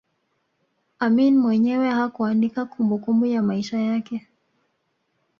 Amin mwenyewe hakuandika kumbukumbu ya maisha yake